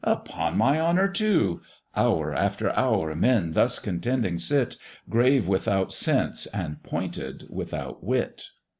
"Upon my honour, two." Hour after hour, men thus contending sit, Grave without sense, and pointed without wit.